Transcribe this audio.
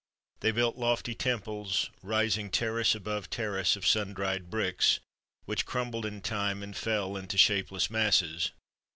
They built lofty temples, rising terrace above terrace, of sun dried bricks, which crumbled in time and fell into shapeless masses.